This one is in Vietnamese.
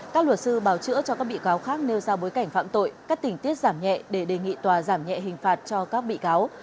các luật sư bào chữa cho các bị cáo khác nêu ra bối cảnh phạm tội cắt tỉnh tiết giảm nhẹ để đề nghị tòa giảm nhẹ hình phạt cho các bị cáo